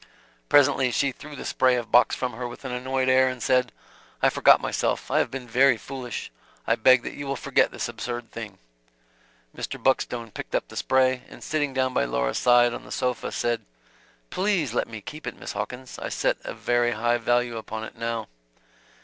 Presently she threw the spray of box from her with an annoyed air, and said: "I forgot myself. I have been very foolish. I beg that you will forget this absurd thing." Mr. Buckstone picked up the spray, and sitting down by Laura's side on the sofa, said: "Please let me keep it, Miss Hawkins. I set a very high value upon it now."